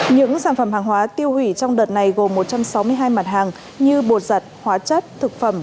những sản phẩm hàng hóa tiêu hủy trong đợt này gồm một trăm sáu mươi hai mặt hàng như bột giặt hóa chất thực phẩm